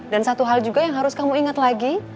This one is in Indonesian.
dan satu hal juga yang harus kamu inget lagi